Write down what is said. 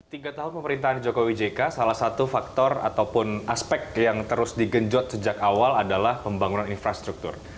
tiga tahun pemerintahan jokowi jk salah satu faktor ataupun aspek yang terus digenjot sejak awal adalah pembangunan infrastruktur